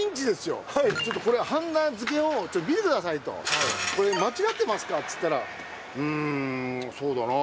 これ、ちょっと、はんだ付けをちょっとこれ見てくださいと、これ、間違ってますか？って言ったら、うーん、そうだな。